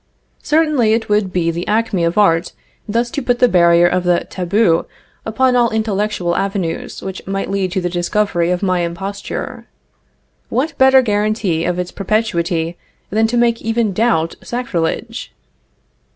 Certainly it would be the acme of art thus to put the barrier of the taboo upon all intellectual avenues which might lead to the discovery of my imposture. What better guarantee of its perpetuity than to make even doubt sacrilege?